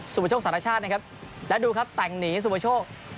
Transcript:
สุธุโชซาธารัชชาตินะครับและดูครับแปลงหนีสุธุโช